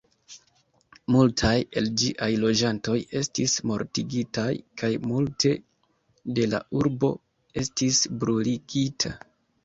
Multaj el ĝiaj loĝantoj estis mortigitaj kaj multe de la urbo estis bruligita.